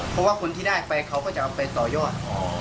เพราะว่าคนที่ได้ไปเขาก็จะเอาไปต่อยอด